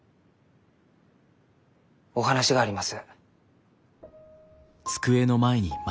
お話があります。